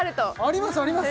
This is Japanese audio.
ありますあります